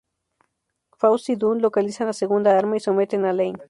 Faust y Dunn localizan la segunda arma y someten a Lane.